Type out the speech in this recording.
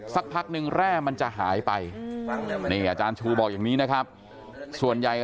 สักพักนึงแร่มันจะหายไปนี่อาจารย์ชูบอกอย่างนี้นะครับส่วนใหญ่